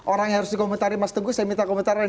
orang yang harus dikomentari mas teguh saya minta komentarnya